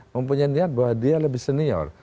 mempunyai niat bahwa dia lebih senior